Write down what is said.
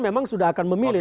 memang sudah akan memilih